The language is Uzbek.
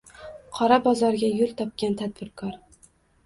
«Qora bozor»ga yo‘l topgan «tadbirkor»...